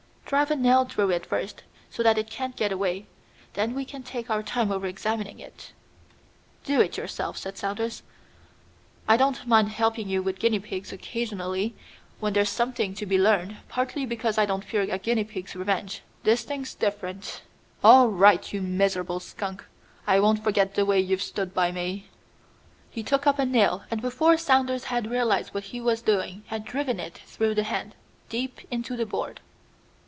"Drive a nail through it first, so that it can't get away; then we can take our time over examining it." "Do it yourself," said Saunders. "I don't mind helping you with guinea pigs occasionally when there's something to be learned; partly because I don't fear a guinea pig's revenge. This thing's different." "All right, you miserable skunk. I won't forget the way you've stood by me." He took up a nail, and before Saunders had realised what he was doing had driven it through the hand, deep into the board.